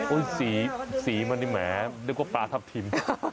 สีมันนี่แหมนึกว่าปลาทับทิม